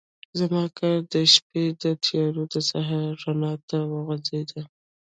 زما کار د شپې له تیارو د سهار رڼا ته وغځېد.